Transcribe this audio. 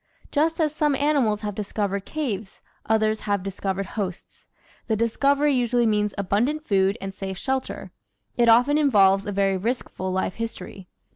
Just as some animals have discovered caves, others have discovered hosts. The discovery usually means abundant food and safe shelter; it often involves a very riskful life history.